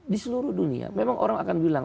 di seluruh dunia memang orang akan bilang